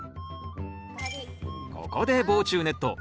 ここで防虫ネット。